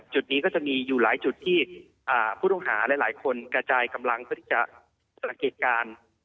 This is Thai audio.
จุดนี้ก็จะมีอยู่หลายจุดที่ผู้ต้องหาหลายคนกระจายกำลังเพื่อที่จะสังเกตการณ์